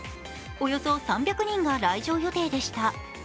およそ３００人が来場予定でした。